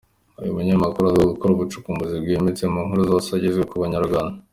Uyu munyamakuru azwiho gukora ubucukumbuzi bwimbitse mu nkuru zose ageza ku banyarwanda.